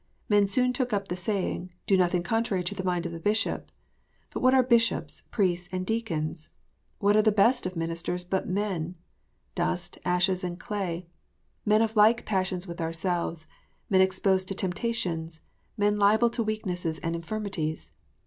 Men soon took up the saying, " Do nothing contrary to the mind of the Bishop !" But what are bishops, priests, and deacons 1 What are the best of ministers but men, dust, ashes, and clay, men of like passions with ourselves, men exposed to temptations, men liable to weaknesses and infirmities